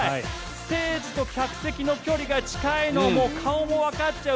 ステージと客席の距離が近くて顔もわかっちゃう。